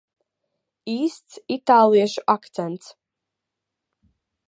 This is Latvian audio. Īsts itāliešu akcents.